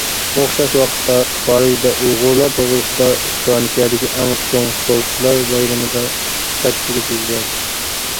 ئوخشاش ۋاقىتتا، پارىژدا ئۇيغۇرلار توغرىسىدا فىرانسىيەدىكى ئەڭ چوڭ سولچىلار بايرىمىدا سەتچىلىك يۈز بەردى.